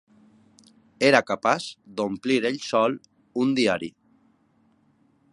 Era capaç d'omplir ell sol un diari.